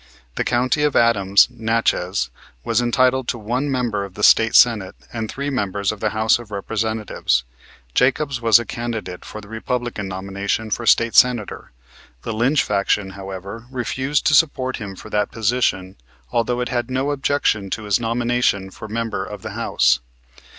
The county of Adams (Natchez) was entitled to one member of the State Senate and three members of the House of Representatives. Jacobs was a candidate for the Republican nomination for State Senator. The Lynch faction, however, refused to support him for that position although it had no objection to his nomination for member of the House.